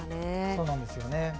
そうなんですよね。